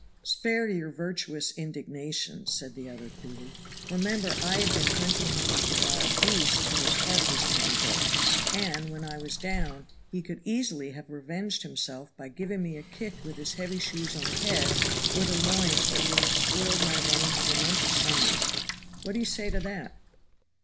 "Spare your virtuous indignation," said the other coolly. "Remember I had been hunting him like a wild beast till his heart was nearly broke, and, when I was down, he could easily have revenged himself by giving me a kick with his heavy shoes on the head or the loins that would have spoiled my running for a month of Sundays. What do you say to that?"